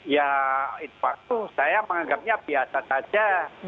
ya itu waktu saya menganggapnya biasa saja